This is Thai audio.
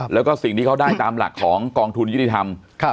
แล้วก็สิ่งที่เขาได้ตามหลักของกองทุนยุติธรรม